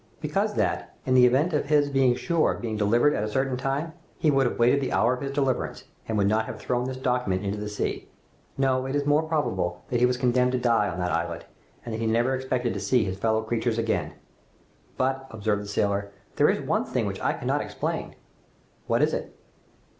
"Because that, in the event of his being sure of being delivered at a certain time, he would have waited the hour of his deliverance and would not have thrown this document into the sea. No, it is more probable that he was condemned to die on that islet, and that he never expected to see his fellow creatures again!" "But," observed the sailor, "there is one thing which I cannot explain." "What is it?"